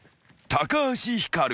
橋ひかる］